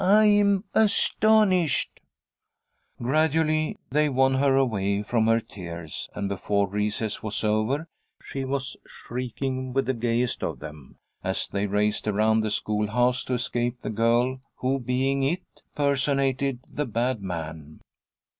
I'm astonished!" Gradually they won her away from her tears, and before recess was over she was shrieking with the gayest of them as they raced around the schoolhouse to escape the girl who, being "It," personated the "bad man."